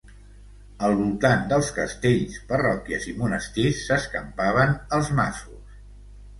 Al voltant dels castells, parròquies i monestirs s'escampaven els masos.